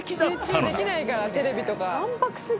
集中できないからテレビとか。